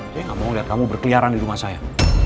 saya nggak mau lihat kamu berkeliaran di rumah saya